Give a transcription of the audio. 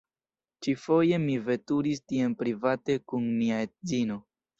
Ĉifoje, mi veturis tien private kun mia edzino.